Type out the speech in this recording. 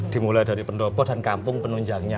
dimulai dari pendopo dan kampung penunjangnya